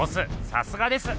さすがです。